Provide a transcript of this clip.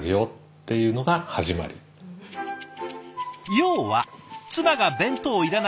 要は妻が弁当いらない